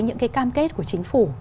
những cái cam kết của chính phủ